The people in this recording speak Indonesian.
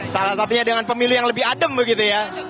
salah satunya dengan pemilih yang lebih adem begitu ya